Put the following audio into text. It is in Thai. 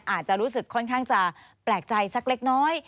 อาจจะรู้สึกค่อนข้างจะแปลกใจสักเล็กน้อย